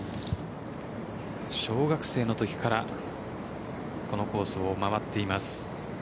小学生のときからこのコースを回っています。